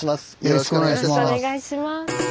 よろしくお願いします。